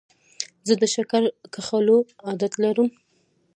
زه د شکر کښلو عادت لرم.